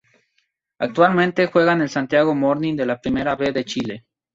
Actualmente juega en el Santiago Morning de la Primera B de Chile.